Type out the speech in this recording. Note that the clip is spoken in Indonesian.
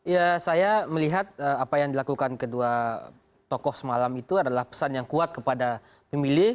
ya saya melihat apa yang dilakukan kedua tokoh semalam itu adalah pesan yang kuat kepada pemilih